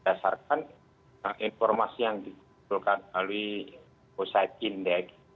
berdasarkan informasi yang dikumpulkan oleh osaid index